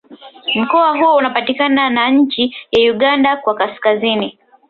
Mkoa huu unapakana na nchi ya Uganda kwa Kaskazini